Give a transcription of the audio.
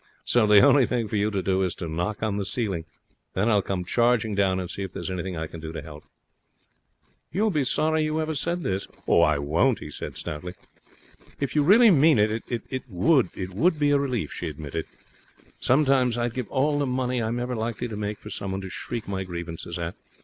So the only thing for you to do is to knock on the ceiling. Then I'll come charging down and see if there's anything I can do to help.' 'You'll be sorry you ever said this.' 'I won't,' he said stoutly. 'If you really mean it, it would be a relief,' she admitted. 'Sometimes I'd give all the money I'm ever likely to make for someone to shriek my grievances at.